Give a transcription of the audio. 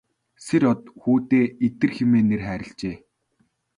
Сэр-Од хүүдээ Идэр хэмээн нэр хайрлажээ.